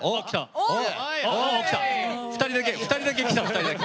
２人だけ来た、２人だけ。